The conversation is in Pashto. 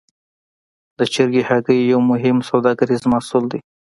د چرګ هګۍ یو مهم سوداګریز محصول دی.